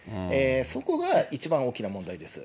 そこが一番大きな問題です。